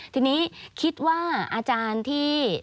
ทีนี้คิดว่าอาจารย์ที่